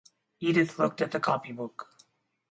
Edith looked at the copybook.